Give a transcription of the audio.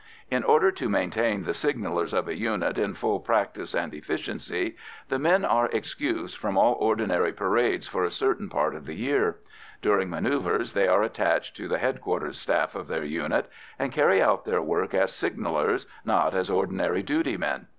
In order to maintain the signallers of a unit in full practice and efficiency, the men are excused from all ordinary parades for a certain part of the year; during manœuvres they are attached to the headquarters staff of their unit and carry on their work as signallers, not as ordinary duty men.